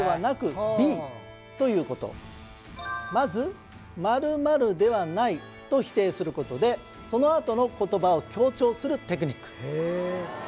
ということまず「○○ではない」と否定することでそのあとの言葉を強調するテクニック